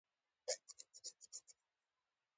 دا د اداري اصولو د تطبیق لپاره دی.